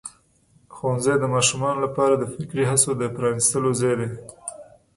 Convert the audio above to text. ښوونځی د ماشومانو لپاره د فکري هڅو د پرانستلو ځای دی.